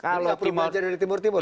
kalau pribadi dari timur timur